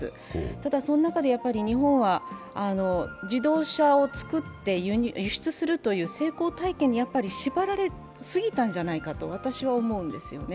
ただ、その中で日本は、自動車を造って輸出するという成功体験に縛られ過ぎたんじゃないかと私は思うんですよね。